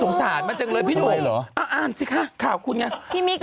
สงสารมันจังเลยพี่หนุ่มอ่านสิคะข่าวคุณไงพี่มิ๊ก